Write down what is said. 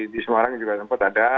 di semarang juga sempat ada